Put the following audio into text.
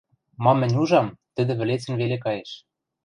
мам мӹнь ужам, тӹдӹ вӹлецӹн веле каеш!